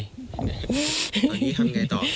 ตอนนี้ทำยังไงต่อ